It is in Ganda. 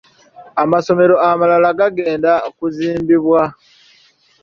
Amasomero amalala gagenda kuzimbibwa.